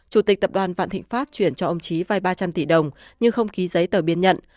chủ tịch tập đoàn vạn thịnh pháp chuyển cho ông trí vai ba trăm linh tỷ đồng nhưng không ký giấy tờ biên nhận